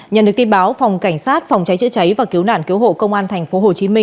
nhận được tin báo phòng cảnh sát phòng cháy chữa cháy và cứu nạn cứu hộ công an tp hcm